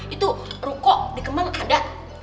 itu ruko di kemang ada